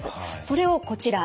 それをこちら。